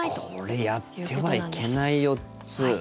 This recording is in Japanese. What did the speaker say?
これやってはいけない４つ。